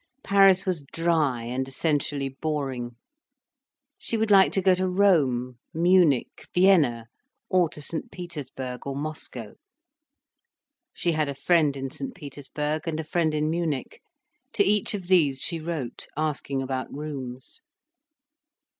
Paris was dry, and essentially boring. She would like to go to Rome, Munich, Vienna, or to St Petersburg or Moscow. She had a friend in St Petersburg and a friend in Munich. To each of these she wrote, asking about rooms.